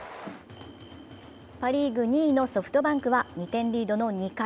パ・リーグ２位のソフトバンクは、２点リードの２回。